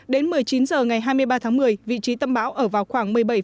đến một mươi chín h ngày hai mươi ba tháng một mươi vị trí tâm bão ở vào khoảng